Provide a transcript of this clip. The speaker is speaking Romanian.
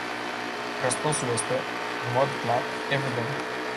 Răspunsul este, în mod clar, evident.